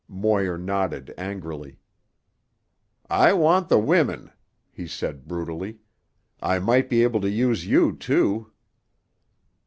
Moir nodded angrily. "I want the women," he said brutally. "I might be able to use you, too."